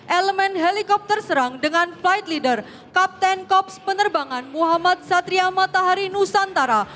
elemen helikopter serang dengan flight leader kapten korps penerbangan muhammad satria matahari nusantara